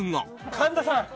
神田さん。